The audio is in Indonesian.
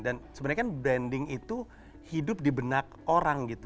dan sebenarnya kan branding itu hidup di benak orang gitu